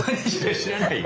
知らないよ。